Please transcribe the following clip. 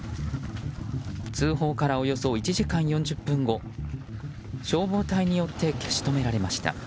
通報からおよそ１時間４０分後消防隊によって消し止められました。